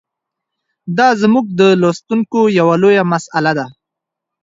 دا زموږ د لوستونکو یوه لویه مساله ده.